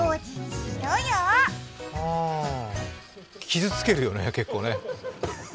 傷つけるよね、結構ね。